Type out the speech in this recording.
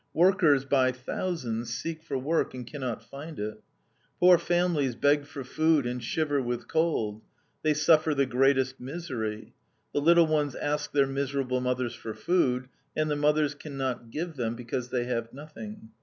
Workers, by thousands, seek for work and can not find it. Poor families beg for food and shiver with cold; they suffer the greatest misery; the little ones ask their miserable mothers for food, and the mothers can not give them, because they have nothing.